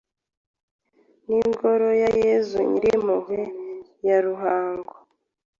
n’Ingoro ya Yezu Nyirimpuhwe ya Ruhango,